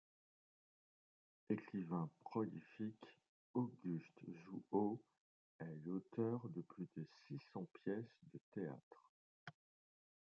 Ecrivain prolifique, Auguste Jouhaud est l'auteur de plus de six cents pièces de théâtre.